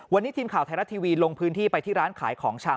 วันนี้ทีมข่าวไทยรัฐทีวีลงพื้นที่ไปที่ร้านขายของชำ